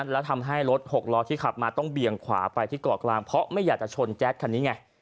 แล้วทำให้รถหกล้อที่ขับมาต้องเบี่ยงขวาไปที่เกาะกลางเพราะไม่อยากจะชนแจ๊ดคันนี้ไง